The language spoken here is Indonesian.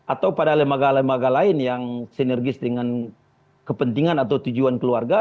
atau pada lembaga lembaga lain yang sinergis dengan kepentingan atau tujuan keluarga